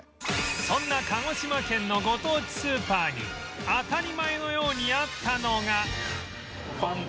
そんな鹿児島県のご当地スーパーに当たり前のようにあったのが